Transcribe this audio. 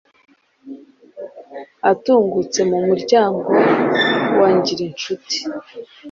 Atungutse mu muryango wa Ngirincuti,